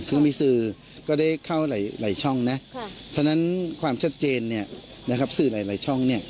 ซึ่งมีสื่อก็ได้เข้าหลายช่องนะฉะนั้นความชัดเจนสื่อหลายช่อง